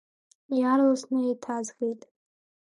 Иаарласны еиҭазгеит.